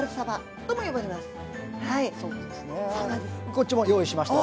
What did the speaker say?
こっちも用意しましたよ。